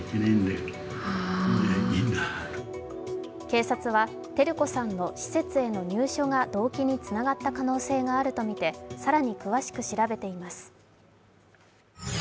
警察は照子さんの施設への入所が動機につながった可能性があるとみて更に詳しく調べています。